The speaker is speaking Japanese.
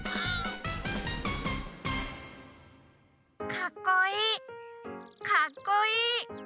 かっこいいかっこいい！